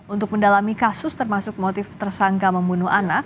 untuk mendalami kasus termasuk motif tersangka membunuh anak